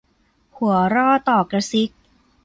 หัวร่อต่อกระซิก